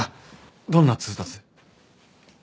どんな通達？